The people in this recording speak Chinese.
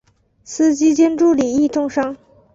司机兼助理亦重伤。